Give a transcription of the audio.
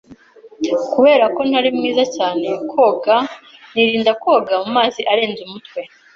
Kubera ko ntari mwiza cyane koga, nirinda koga mumazi arenze umutwe.